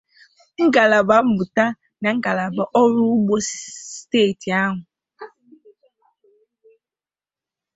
nglaba mmụta na ngalaba ọrụ ugbo steeti ahụ.